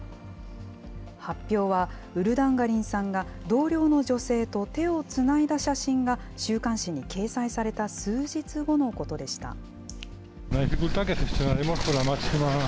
発表は、ウルダンガリンさんが、同僚の女性と手をつないだ写真が週刊誌に掲載された数日後のことでした。